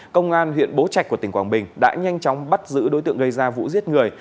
công an huyện bố trạch của tỉnh quảng bình đã nhanh chóng bắt giữ đối tượng gây ra vụ giết người